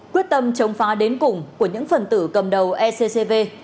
quyết tâm chống phá đến cùng của những phần tử cầm đầu eccv